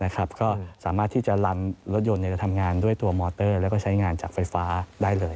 ก็สามารถที่จะลันรถยนต์จะทำงานด้วยตัวมอเตอร์แล้วก็ใช้งานจากไฟฟ้าได้เลย